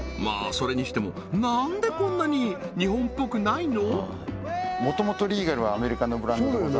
それにしてもなんでこんなに日本っぽくないの？